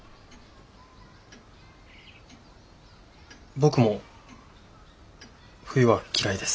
僕も冬は嫌いです。